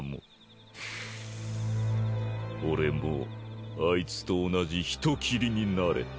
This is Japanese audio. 俺もあいつと同じ人斬りになれた。